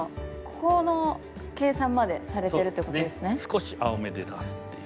少し青めで出すっていう。